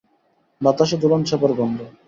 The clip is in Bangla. বাতাসে দোলনচাঁপার গন্ধ।